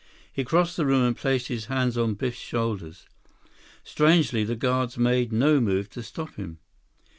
He crossed the room and placed his hands on Biff's shoulders. Strangely, the guards made no move to stop him.